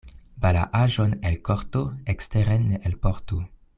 Balaaĵon el korto eksteren ne elportu.